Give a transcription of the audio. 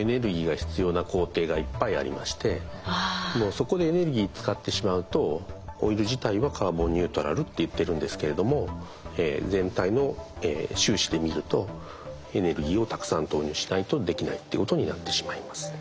そこでエネルギー使ってしまうとオイル自体はカーボンニュートラルって言ってるんですけれども全体の収支で見るとエネルギーをたくさん投入しないとできないということになってしまいます。